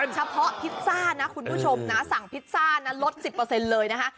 เฉพาะพิซซ่านะคุณผู้ชมนะสั่งพิซซ่านะลด๑๐เลยนะคะ